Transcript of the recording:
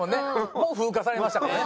もう風化されましたからね。